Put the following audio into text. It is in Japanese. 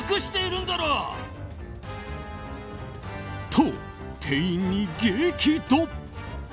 と、店員に激怒。